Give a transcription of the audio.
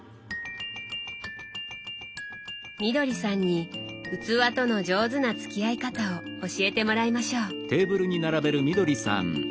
みどりさんに器との上手な付き合い方を教えてもらいましょう。